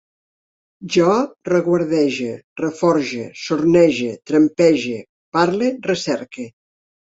Jo reguardege, reforge, sornege, trampege, parle, recerque